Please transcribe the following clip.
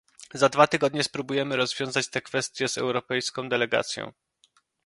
Za dwa tygodnie spróbujemy rozwiązać te kwestie z europejską delegacją